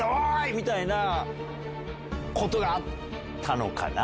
みたいなことがあったのかな。